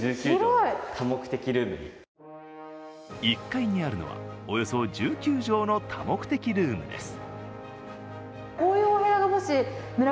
１階にあるのは、およそ１９畳の多目的ルームです。